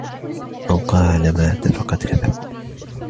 أو قال مات فقد كذب